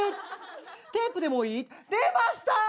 「テープでもいい？」出ました！